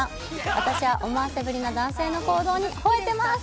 私は思わせぶりな男性の行動に吠えてます。